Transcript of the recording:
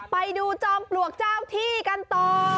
ไปดูจอมปลวกเจ้าที่กันต่อ